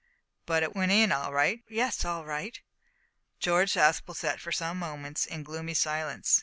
"But it went in all right?" "Yes, all right." George Aspel sat for some moments in gloomy silence.